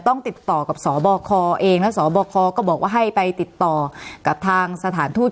ต้องติดต่อกับสบคเองแล้วสบคก็บอกว่าให้ไปติดต่อกับทางสถานทูต